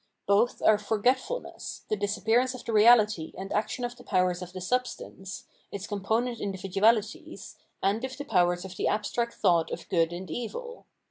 Both are forgetfulness, the disappearance of the 752 Phenomenology of Mind reaKty and action of the powers of the substance, its com ponent individualities, and of the powers of the abstract thought of good and evil.